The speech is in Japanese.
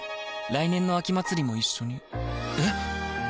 来年の秋祭も一緒にえ